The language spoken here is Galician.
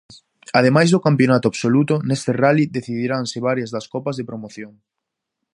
Ademais do campionato absoluto, neste rali decidiranse varias das copas de promoción.